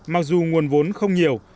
mặc dù nguồn vốn không nhiều